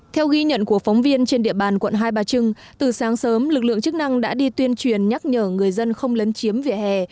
theo ghi nhận của phóng viên trên địa bàn quận hai bà trưng từ sáng sớm lực lượng chức năng đã đi tuyên truyền nhắc nhở người dân không lấn chiếm vỉa hè